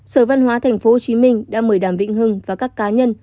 sở văn hóa tp hcm đã mời đàm vĩnh hưng và các cá nhân